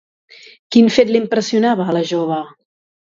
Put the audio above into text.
Quin fet li impressionava a la jove?